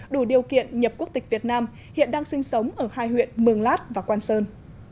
đủ điều kiện nhập quốc tịch việt nam hiện đang sinh sống ở hai huyện mường lát và quang sơn